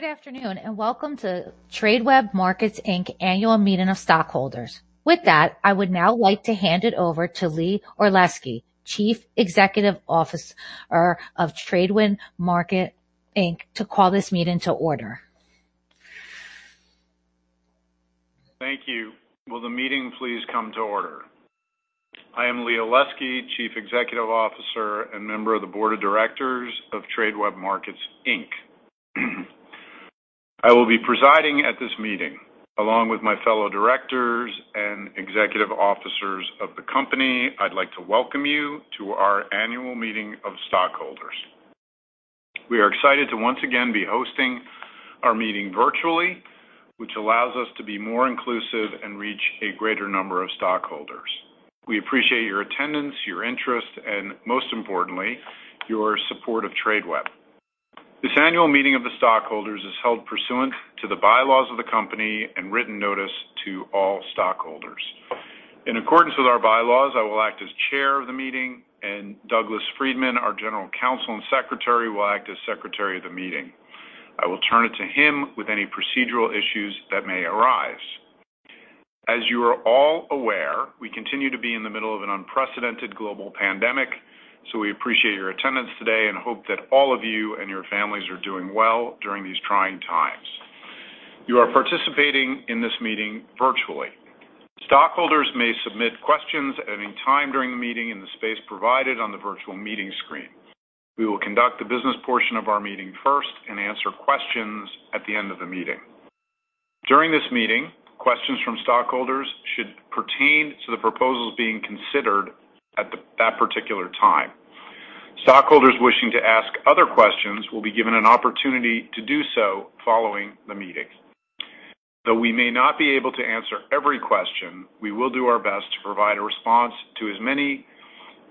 Good afternoon, and welcome to Tradeweb Markets Inc Annual Meeting of Stockholders. With that, I would now like to hand it over to Lee Olesky, Chief Executive Officer of Tradeweb Markets Inc, to call this meeting to order. Thank you. Will the meeting please come to order? I am Lee Olesky, Chief Executive Officer and member of the Board of Directors of Tradeweb Markets Inc. I will be presiding at this meeting, along with my fellow directors and executive officers of the company. I'd like to welcome you to our annual meeting of stockholders. We are excited to once again be hosting our meeting virtually, which allows us to be more inclusive and reach a greater number of stockholders. We appreciate your attendance, your interest, and most importantly, your support of Tradeweb. This annual meeting of the stockholders is held pursuant to the bylaws of the company and written notice to all stockholders. In accordance with our bylaws, I will act as chair of the meeting, and Douglas Friedman, our General Counsel and Secretary, will act as secretary of the meeting. I will turn it to him with any procedural issues that may arise. As you are all aware, we continue to be in the middle of an unprecedented global pandemic, so we appreciate your attendance today and hope that all of you and your families are doing well during these trying times. You are participating in this meeting virtually. Stockholders may submit questions at any time during the meeting in the space provided on the virtual meeting screen. We will conduct the business portion of our meeting first and answer questions at the end of the meeting. During this meeting, questions from stockholders should pertain to the proposals being considered at that particular time. Stockholders wishing to ask other questions will be given an opportunity to do so following the meeting. Though we may not be able to answer every question, we will do our best to provide a response to as many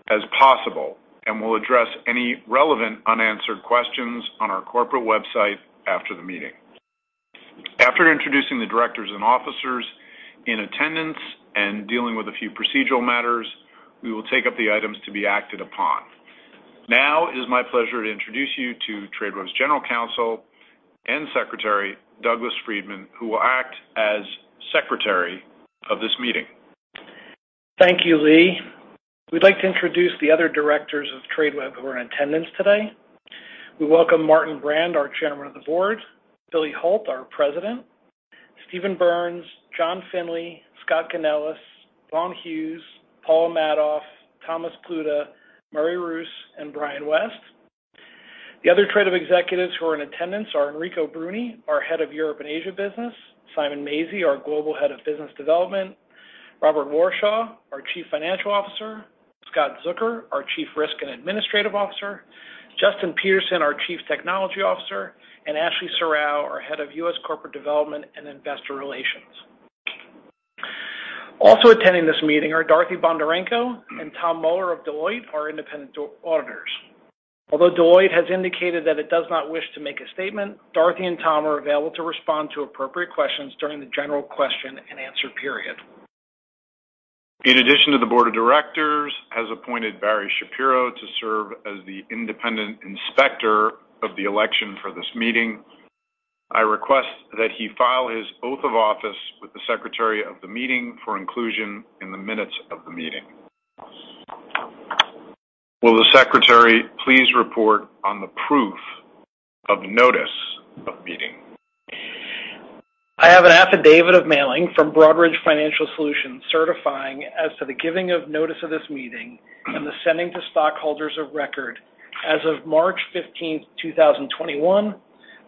as possible and will address any relevant unanswered questions on our corporate website after the meeting. After introducing the directors and officers in attendance and dealing with a few procedural matters, we will take up the items to be acted upon. It is my pleasure to introduce you to Tradeweb's General Counsel and Secretary, Douglas Friedman, who will act as secretary of this meeting. Thank you, Lee. We'd like to introduce the other directors of Tradeweb who are in attendance today. We welcome Martin Brand, our Chairman of the Board, Billy Hult, our President, Steven Berns, John Finley, Scott Ganeles, Von Hughes, Paula Madoff, Thomas Pluta, Murray Roos, and Brian West. The other Tradeweb executives who are in attendance are Enrico Bruni, our Head of Europe and Asia Business, Simon Maisey, our Global Head of Business Development, Robert Warshaw, our Chief Financial Officer, Scott Zucker, our Chief Risk and Administrative Officer, Justin Peterson, our Chief Technology Officer, and Ashley Serrao, our Head of U.S. Corporate Development and Investor Relations. Also attending this meeting are Dorothy Bondarenko and Tom Muller of Deloitte, our independent auditors. Although Deloitte has indicated that it does not wish to make a statement, Dorothy and Tom are available to respond to appropriate questions during the general question-and-answer period. In addition to the board of directors, has appointed Barry Shapiro to serve as the Independent Inspector of Election for this meeting. I request that he file his oath of office with the secretary of the meeting for inclusion in the minutes of the meeting. Will the secretary please report on the proof of notice of meeting? I have an affidavit of mailing from Broadridge Financial Solutions certifying as to the giving of notice of this meeting and the sending to stockholders of record as of March 15, 2021,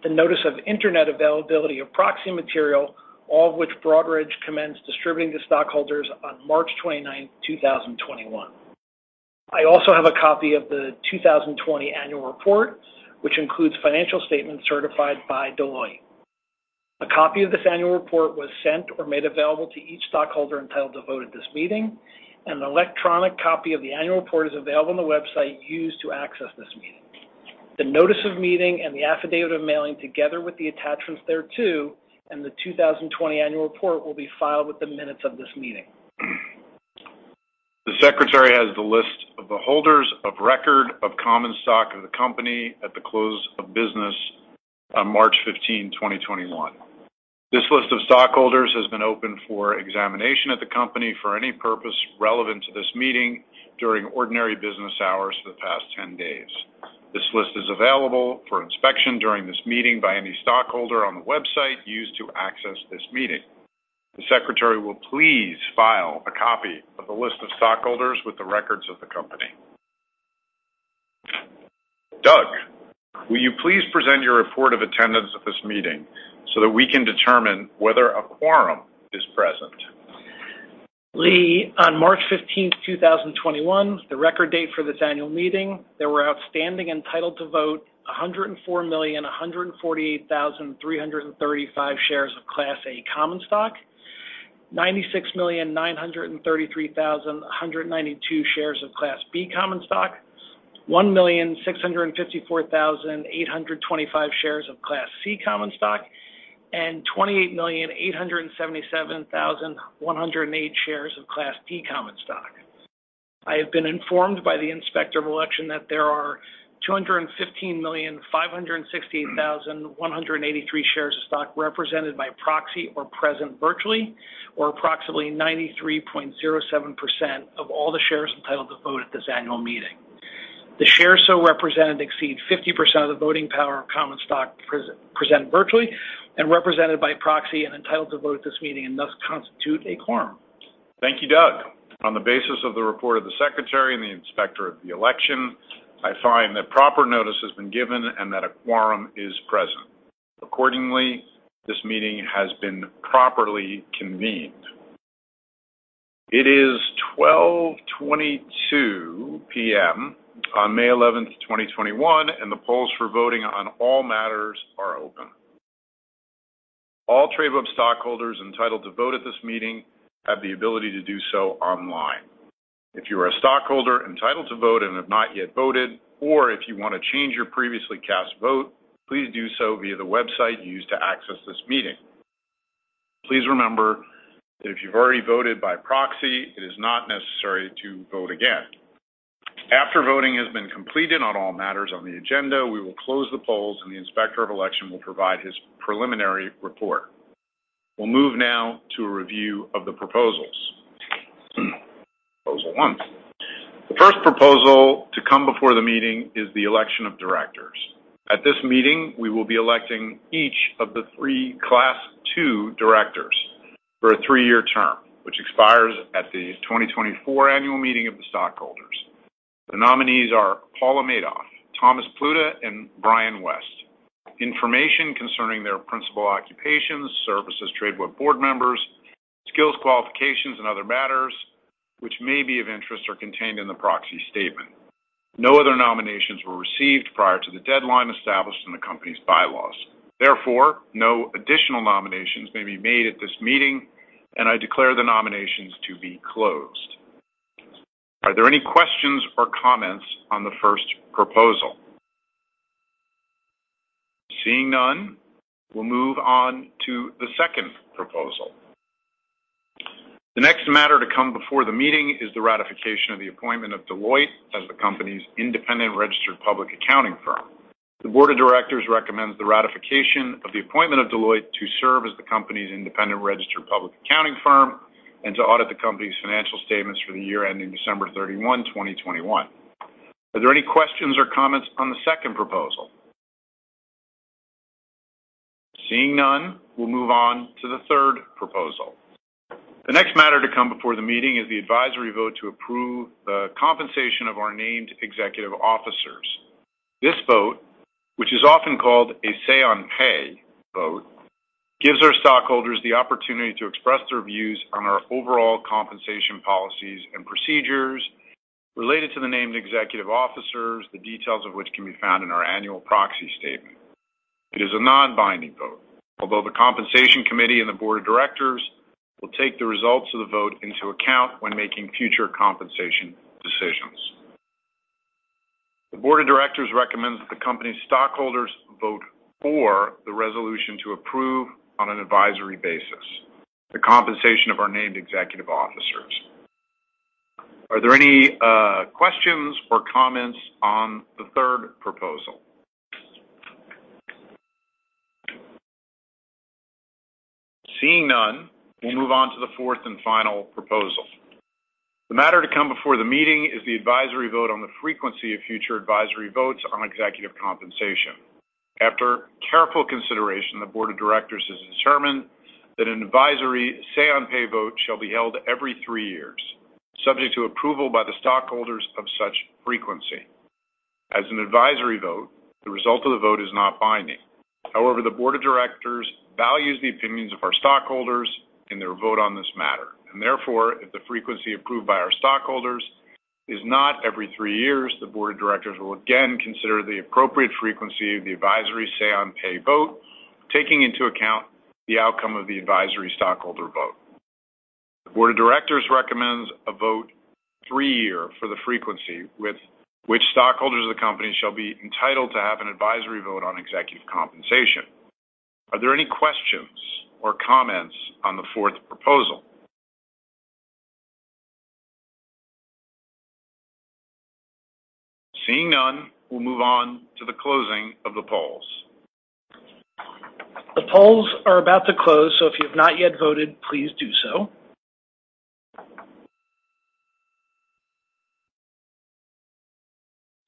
the notice of internet availability of proxy material, all of which Broadridge commenced distributing to stockholders on March 29, 2021. I also have a copy of the 2020 annual report, which includes financial statements certified by Deloitte. A copy of this annual report was sent or made available to each stockholder entitled to vote at this meeting, and an electronic copy of the annual report is available on the website used to access this meeting. The notice of meeting and the affidavit of mailing, together with the attachments thereto, and the 2020 annual report will be filed with the minutes of this meeting. The secretary has the list of the holders of record of common stock of the company at the close of business on March 15, 2021. This list of stockholders has been open for examination at the company for any purpose relevant to this meeting during ordinary business hours for the past 10 days. This list is available for inspection during this meeting by any stockholder on the website used to access this meeting. The secretary will please file a copy of the list of stockholders with the records of the company. Doug, will you please present your report of attendance at this meeting so that we can determine whether a quorum is present? Lee, on March 15, 2021, the record date for this annual meeting, there were outstanding entitled to vote 104,148,335 shares of Class A common stock, 96,933,192 shares of Class B common stock, 1,654,825 shares of Class C common stock, and 28,877,108 shares of Class D common stock. I have been informed by the Inspector of Election that there are 215,568,183 shares of stock represented by proxy or present virtually, or approximately 93.07% of all the shares entitled to vote at this annual meeting. The shares so represented exceed 50% of the voting power of common stock present virtually and represented by proxy and entitled to vote at this meeting and thus constitute a quorum. Thank you, Doug. On the basis of the report of the Secretary and the Inspector of the Election, I find that proper notice has been given and that a quorum is present. Accordingly, this meeting has been properly convened. It is 12:22 P.M. On May 11th, 2021, and the polls for voting on all matters are open. All Tradeweb stockholders entitled to vote at this meeting have the ability to do so online. If you are a stockholder entitled to vote and have not yet voted, or if you want to change your previously cast vote, please do so via the website you used to access this meeting. Please remember that if you've already voted by proxy, it is not necessary to vote again. After voting has been completed on all matters on the agenda, we will close the polls, and the Inspector of Election will provide his preliminary report. We'll move now to a review of the proposals. Proposal one. The first proposal to come before the meeting is the election of directors. At this meeting, we will be electing each of the three Class 2 directors for a three-year term, which expires at the 2024 annual meeting of the stockholders. The nominees are Paula Madoff, Thomas Pluta, and Brian West. Information concerning their principal occupations, service as Tradeweb board members, skills qualifications, and other matters which may be of interest are contained in the proxy statement. No other nominations were received prior to the deadline established in the company's bylaws. Therefore, no additional nominations may be made at this meeting, and I declare the nominations to be closed. Are there any questions or comments on the first proposal? Seeing none, we'll move on to the second proposal. The next matter to come before the meeting is the ratification of the appointment of Deloitte as the company's independent registered public accounting firm. The board of directors recommends the ratification of the appointment of Deloitte to serve as the company's independent registered public accounting firm and to audit the company's financial statements for the year ending December 31, 2021. Are there any questions or comments on the second proposal? Seeing none, we'll move on to the third proposal. The next matter to come before the meeting is the advisory vote to approve the compensation of our named executive officers. This vote, which is often called a say on pay vote, gives our stockholders the opportunity to express their views on our overall compensation policies and procedures related to the named executive officers, the details of which can be found in our annual proxy statement. It is a non-binding vote, although the Compensation Committee and the board of directors will take the results of the vote into account when making future compensation decisions. The board of directors recommends that the company's stockholders vote for the resolution to approve, on an advisory basis, the compensation of our named executive officers. Are there any questions or comments on the third proposal? Seeing none, we move on to the fourth and final proposal. The matter to come before the meeting is the advisory vote on the frequency of future advisory votes on executive compensation. After careful consideration, the board of directors has determined that an advisory say-on-pay vote shall be held every three years, subject to approval by the stockholders of such frequency. As an advisory vote, the result of the vote is not binding. However, the board of directors values the opinions of our stockholders and their vote on this matter. Therefore, if the frequency approved by our stockholders is not every three years, the board of directors will again consider the appropriate frequency of the advisory say-on-pay vote, taking into account the outcome of the advisory stockholder vote. The board of directors recommends a vote three year for the frequency with which stockholders of the company shall be entitled to have an advisory vote on executive compensation. Are there any questions or comments on the fourth proposal? Seeing none, we'll move on to the closing of the polls. The polls are about to close, so if you have not yet voted, please do so.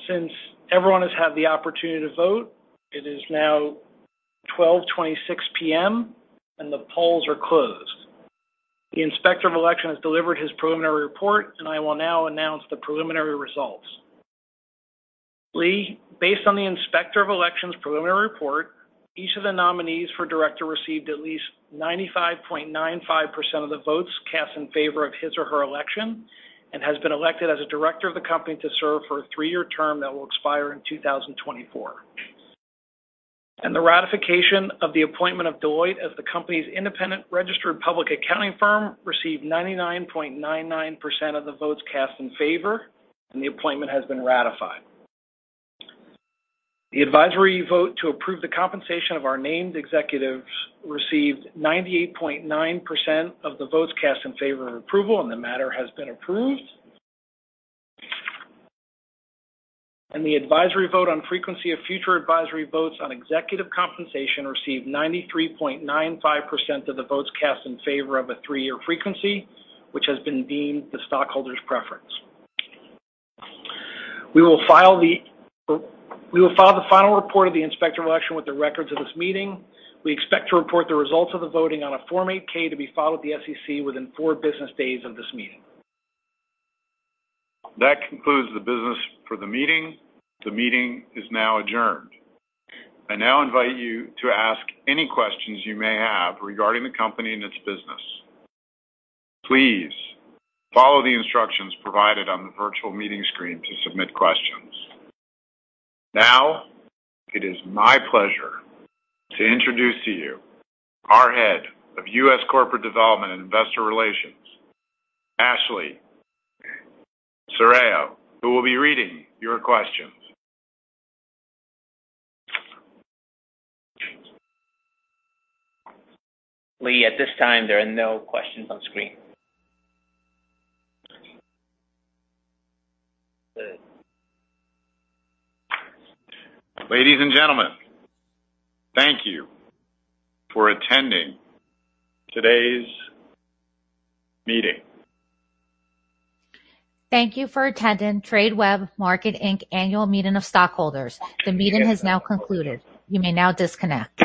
Since everyone has had the opportunity to vote, it is now 12:26 P.M. and the polls are closed. The Inspector of Election has delivered his preliminary report, and I will now announce the preliminary results. Lee, based on the Inspector of Election's preliminary report, each of the nominees for director received at least 95.95% of the votes cast in favor of his or her election and has been elected as a director of the company to serve for a three-year term that will expire in 2024. The ratification of the appointment of Deloitte as the company's independent registered public accounting firm received 99.99% of the votes cast in favor, and the appointment has been ratified. The advisory vote to approve the compensation of our named executives received 98.9% of the votes cast in favor of approval, and the matter has been approved. The advisory vote on frequency of future advisory votes on executive compensation received 93.95% of the votes cast in favor of a three-year frequency, which has been deemed the stockholders' preference. We will file the final report of the Inspector of Election with the records of this meeting. We expect to report the results of the voting on a Form 8-K to be filed with the SEC within four business days of this meeting. That concludes the business for the meeting. The meeting is now adjourned. I now invite you to ask any questions you may have regarding the company and its business. Please follow the instructions provided on the virtual meeting screen to submit questions. It is my pleasure to introduce to you our Head of U.S. Corporate Development and Investor Relations, Ashley Serrao, who will be reading your questions. Lee, at this time, there are no questions on screen. Ladies and gentlemen, thank you for attending today's meeting. Thank you for attending Tradeweb Markets Inc Annual Meeting of Stockholders. The meeting has now concluded. You may now disconnect.